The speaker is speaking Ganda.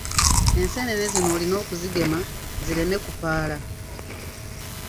Enseenene zino olina okuzigema zireme kupaala.